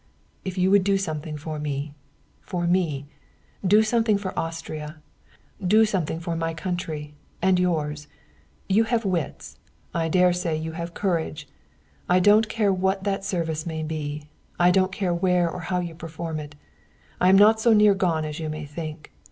"If you would do something for me for me do something for Austria, do something for my country and yours! You have wits; I dare say you have courage. I don't care what that service may be; I don't care where or how you perform it. I am not so near gone as you may think.